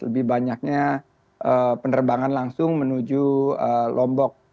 lebih banyaknya penerbangan langsung menuju lombok